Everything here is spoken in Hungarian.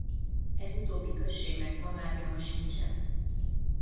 Ez utóbbi községnek ma már nyoma sincsen.